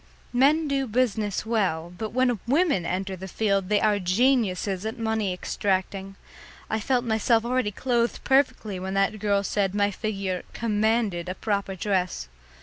Men do business well, but when women enter the field they are geniuses at money extracting. I felt myself already clothed perfectly when that girl said my figure "commanded" a proper dress.